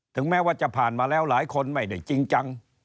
แม้ว่าจะผ่านมาแล้วหลายคนไม่ได้จริงจัง